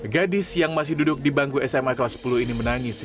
gadis yang masih duduk di bangku sma kelas sepuluh ini menangis